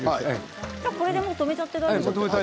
これで止めちゃって大丈夫ですか？